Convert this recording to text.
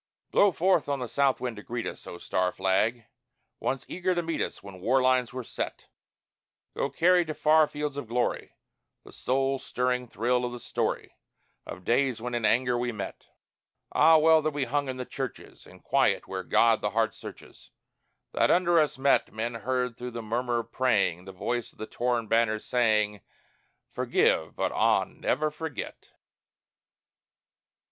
Blow forth on the south wind to greet us, O star flag! once eager to meet us When war lines were set. Go carry to far fields of glory The soul stirring thrill of the story, Of days when in anger we met. Ah, well that we hung in the churches In quiet, where God the heart searches, That under us met Men heard through the murmur of praying The voice of the torn banners saying, "Forgive, but ah, never forget."